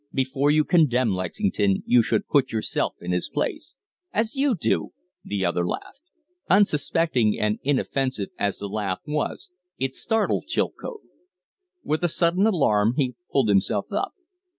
"Before you condemn Lexington you should put yourself in his place " "As you do?" the other laughed. Unsuspecting and inoffensive as the laugh was, it startled Chilcote. With a sudden alarm he pulled himself up.